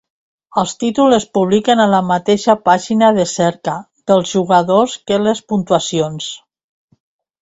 Els títols es publiquen a la mateixa pàgina de cerca dels jugadors que les puntuacions.